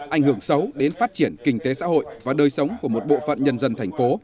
ảnh hưởng xấu đến phát triển kinh tế xã hội và đời sống của một bộ phận nhân dân thành phố